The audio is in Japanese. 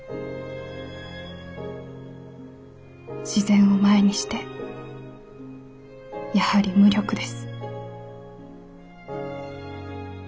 「自然を前にしてやはり無力です」。